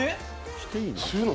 していいの？